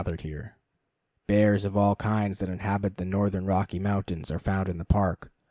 From Forest and Stream.] Bears of all kinds that inhabit the northern Rocky Mountains are found in the Park.